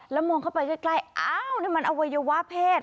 แล้วมองเข้าไปใกล้อ้าวนี่มันอวัยวะเพศ